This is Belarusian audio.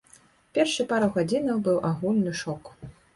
Першыя пару гадзінаў быў агульны шок.